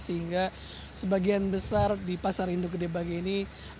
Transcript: sehingga sebagian besar di pasar induk gede bage ini